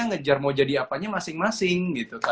ngejar mau jadi apanya masing masing